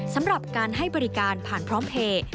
สำหรับการให้บริการผ่านพร้อมเพลย์